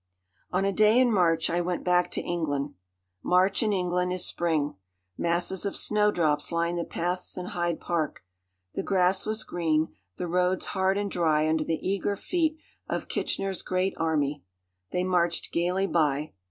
On a day in March I went back to England. March in England is spring. Masses of snowdrops lined the paths in Hyde Park. The grass was green, the roads hard and dry under the eager feet of Kitchener's great army. They marched gayly by.